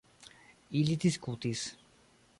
Ili diskutis.